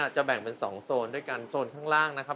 จะแบ่งเป็น๒โซนด้วยกันโซนข้างล่างนะครับ